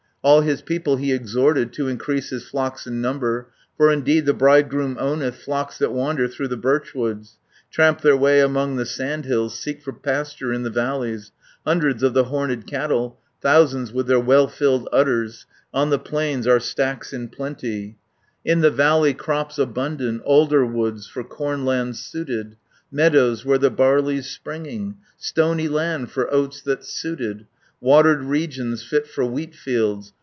"All his people he exhorted, To increase his flocks in number, For indeed the bridegroom owneth Flocks that wander through the birchwoods, 510 Tramp their way among the sandhills, Seek for pasture in the valleys; Hundreds of the horned cattle, Thousands with their well filled udders; On the plains are stacks in plenty, In the valley crops abundant, Alder woods for cornland suited, Meadows where the barley's springing, Stony land for oats that's suited, Watered regions, fit for wheatfields.